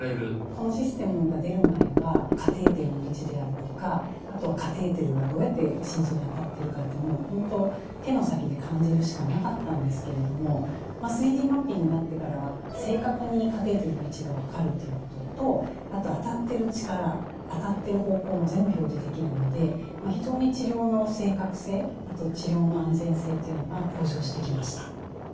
このシステムが出る前はカテーテルの位置であるとかあとはカテーテルがどうやって心臓に当たってるかというのは本当手の先で感じるしかなかったんですけれども３Ｄマッピングになってからは正確にカテーテルの位置が分かるということとあと当たってる力当たってる方向も全部表示できるので非常に治療の正確性あと治療の安全性というのが向上してきました。